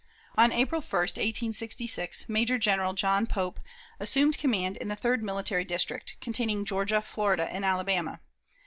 On April 1, 1866, Major General John Pope assumed command in the third military district, containing Georgia, Florida, and Alabama.